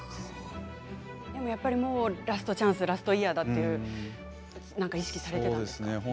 でもラストチャンスラストイヤーだという意識はされていたんですか？